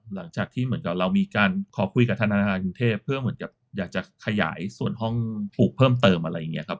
หลังจากที่เหมือนกับเรามีการขอคุยกับธนาคารกรุงเทพเพื่อเหมือนกับอยากจะขยายส่วนห้องผูกเพิ่มเติมอะไรอย่างนี้ครับ